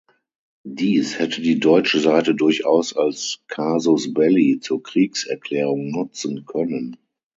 Dies hätte die deutsche Seite durchaus als casus belli zur Kriegserklärung nutzen können.